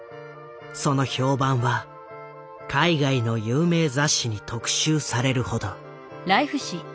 その評判は海外の有名雑誌に特集されるほど。